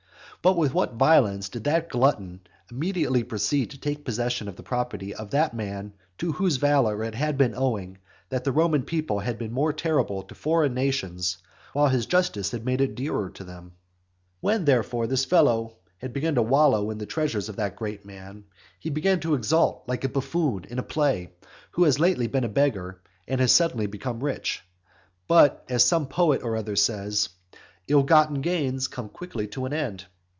But with what violence did that glutton immediately proceed to take possession of the property of that man, to whose valour it had been owing that the Roman people had been more terrible to foreign nations, while his justice had made it dearer to them. XXVII. When, therefore, this fellow had begun to wallow in the treasures of that great man, he began to exult like a buffoon in a play, who has lately been a beggar, and has become suddenly rich. But, as some poet or other says, "Ill gotten gain comes quickly to an end."